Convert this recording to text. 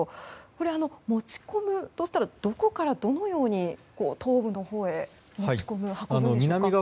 これは持ち込むとしたらどこからどのように東部のほうへ持ちこむ、運ぶんでしょうか。